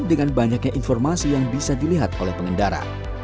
dengan banyaknya informasi yang bisa dilihat oleh pengendara